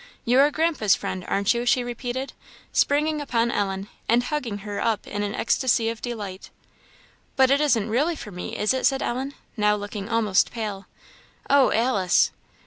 You are Grandpa's friend, aren't you?" she repeated, springing upon Ellen, and hugging her up in an ecstasy of delight. "But it isn't really for me, is it?" said Ellen, now looking almost pale "oh, Alice!"